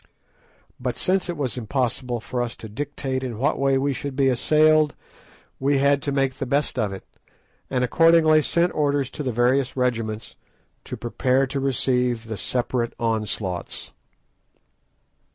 But since it was impossible for us to dictate in what way we should be assailed, we had to make the best of it, and accordingly sent orders to the various regiments to prepare to receive the separate onslaughts.